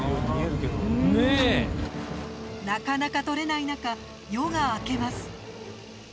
なかなか獲れない中夜が明けます。